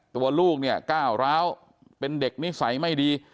ตัวลูกเนี่ยก้าวร้าวเป็นเด็กนิสัยไม่ดี